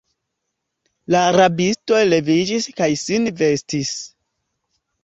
La rabistoj leviĝis kaj sin vestis.